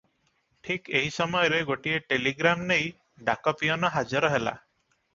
ଠିକ୍ ଏହି ସମୟରେ ଗୋଟିଏ ଟେଲିଗ୍ରାମ ନେଇ ଡାକ ପିଅନ ହାଜର ହେଲା ।